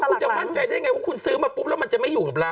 คุณจะมั่นใจได้ไงว่าคุณซื้อมาปุ๊บแล้วมันจะไม่อยู่กับเรา